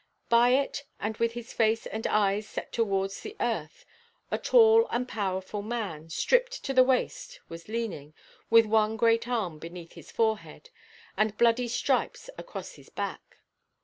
By it, and with his face and eyes set towards the earth, a tall and powerful man, stripped to the waist, was leaning, with one great arm beneath his forehead, and bloody stripes across his back.